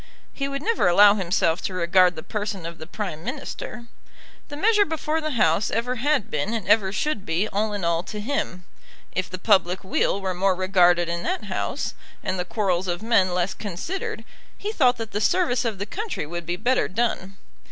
He would never allow himself to regard the person of the Prime Minister. The measure before the House ever had been and ever should be all in all to him. If the public weal were more regarded in that House, and the quarrels of men less considered, he thought that the service of the country would be better done.